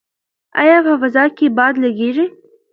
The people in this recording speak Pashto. ایا په فضا کې باد لګیږي؟